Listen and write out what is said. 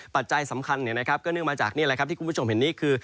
ปัจจัยสำคัญก็เนื่องมาจากนี่แหละครับที่คุณผู้ชมเห็นนี่คือ